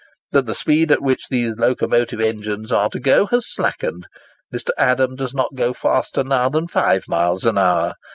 But the speed at which these locomotive engines are to go has slackened: Mr. Adam does not go faster now than 5 miles an hour.